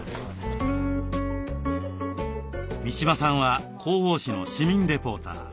三嶋さんは広報誌の市民レポーター。